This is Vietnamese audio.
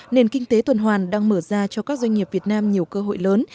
nền kinh tế tuần hoàn đang mở ra cho các doanh nghiệp việt nam nhiều cơ hội lớn